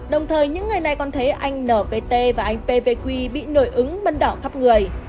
đồng thời những ngày này còn thấy anh nvt và anh pvq bị nổi ứng mân đỏ khắp người